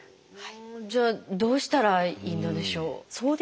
じゃあどうしたらいいのでしょう？